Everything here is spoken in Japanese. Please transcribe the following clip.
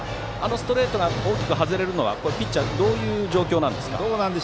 ストレートが大きく外れるのはピッチャーはどういう状況ですか。